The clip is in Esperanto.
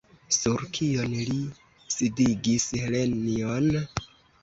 Sur kion li sidigis Helenjon?